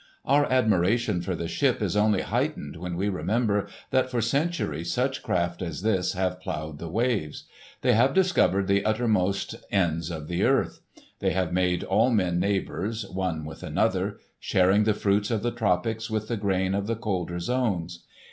Our admiration for the ship is only heightened when we remember that for centuries such craft as this have ploughed the waves. They have discovered the uttermost ends of the earth. They have made all men neighbours, one with another,—sharing the fruits of the tropics with the grain of the colder zones.